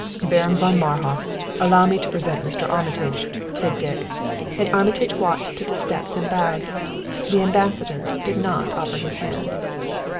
"Baron von Marhof, allow me to present Mr. Armitage," said Dick, and Armitage walked to the steps and bowed. The Ambassador did not offer his hand.